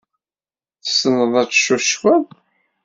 Tessneḍ ad tcucfeḍ?